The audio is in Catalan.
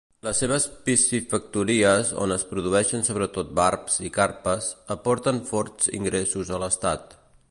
Les seves piscifactories, on es produeixen sobretot barbs i carpes, aporten forts ingressos a l'estat.